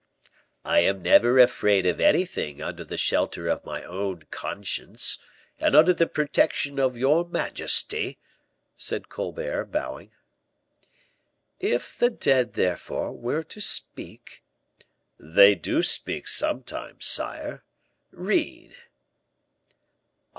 "I am never afraid of anything under the shelter of my own conscience, and under the protection of your majesty," said Colbert, bowing. "If the dead, therefore, were to speak " "They do speak sometimes, sire, read."